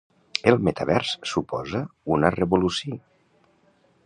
El metavers suposa una revoluci